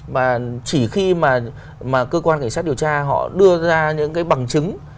và chỉ khi mà cơ quan cảnh sát điều tra họ đưa ra những cái bằng chứng